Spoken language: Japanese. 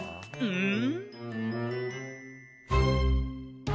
うん！